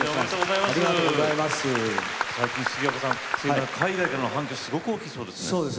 最近、杉山さん海外からの反響がすごい大きいそうですね。